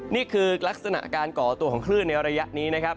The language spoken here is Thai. นี่คือลักษณะการก่อตัวของคลื่นในระยะนี้นะครับ